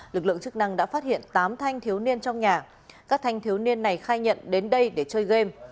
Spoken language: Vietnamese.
lực lượng chức năng đã phát hiện tám thanh thiếu niên trong nhà các thanh thiếu niên này khai nhận đến đây để chơi game